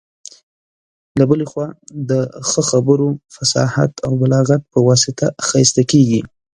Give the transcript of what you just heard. له بلي خوا د ښه خبرو، فصاحت او بلاغت په واسطه ښايسته کيږي.